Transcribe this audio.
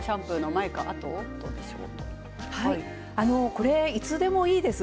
これ、いつでもいいです。